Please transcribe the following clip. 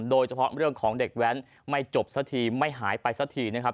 โดยเฉพาะเรื่องของเด็กแว้นไม่จบสักทีไม่หายไปสักทีนะครับ